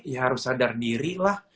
ya harus sadar diri lah